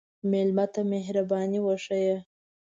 مېلمه ته مهرباني وښیه.